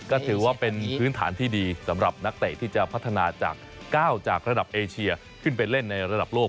ก็ถือว่าเป็นพื้นฐานที่ดีสำหรับนักเตะที่จะพัฒนาจาก๙จากระดับเอเชียขึ้นไปเล่นในระดับโลก